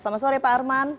selamat sore pak armand